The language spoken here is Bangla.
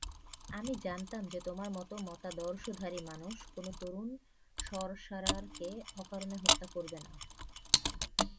আমি জানতাম যে তোমার মতো মতাদর্শধারী মানুষ কোনো তরুণ সর্সারারকে অকারণে হত্যা করবে না।